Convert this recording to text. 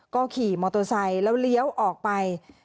ก็ขี่มอเตอร์ไซค์แล้วเลี้ยวออกไป